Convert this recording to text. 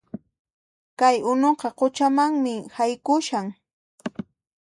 Kay unuqa quchamanmi haykushan